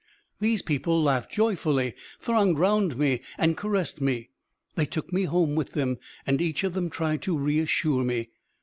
These people, laughing joyfully, thronged round me and caressed me; they took me home with them, and each of them tried to reassure me.